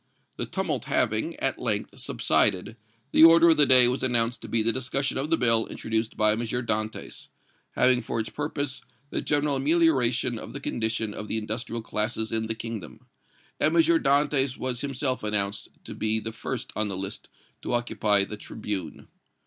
The tumult having, at length, subsided, the order of the day was announced to be the discussion of the bill introduced by M. Dantès, having for its purpose the general amelioration of the condition of the industrial classes in the Kingdom; and M. Dantès was himself announced to be the first on the list to occupy the tribune.